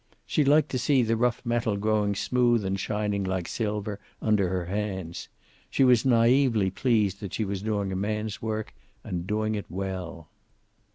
She liked to see the rough metal growing smooth and shining like silver under her hands. She was naively pleased that she was doing a man's work, and doing it well.